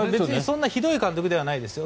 ひどい監督ではないですよ。